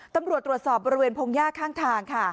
ตำรวจตรวจสอบบริเวณพงหญ้าข้างทางค่ะ